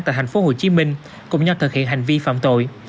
tại tp hcm cùng nhau thực hiện hành vi phạm tội